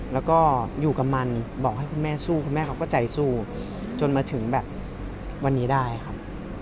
แล้วก็อยู่กับมันบอกให้คุณแม่สู้คุณแม่เขาก็ใจสู้จนมาถึงแบบวันนี้ได้ครับ